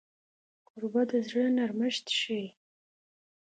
کوربه د زړه نرمښت ښيي.